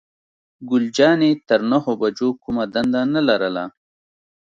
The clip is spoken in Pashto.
ګل جانې تر نهو بجو کومه دنده نه لرله.